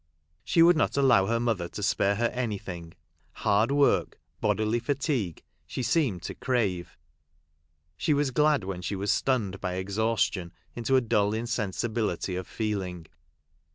She would not allow her mother to spare her anything. Hard work — bodily fatigue — she seemed to crave. She was glad when she was stunned by exhaustion into a dull insensibility of feel ing.